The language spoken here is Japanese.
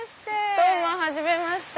どうもはじめまして。